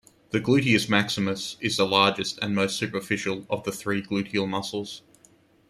The gluteus maximus is the largest and most superficial of the three gluteal muscles.